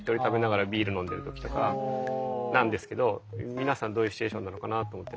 皆さんどういうシチュエーションなのかなと思って。